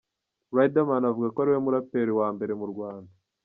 Riderman avuga ko ari we muraperi wa mbere mu Rwanda.